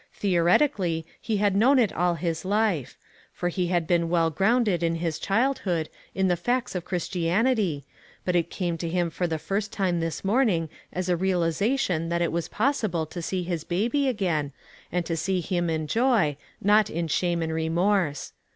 Theoretically, he had known it all his life ; for he had been well grounded, in his childhood, in the facts of Christianity, but it came to him for the first time this morning as a realization that it was possible to see his baby again, and to see him in joy, not in shame and remorse.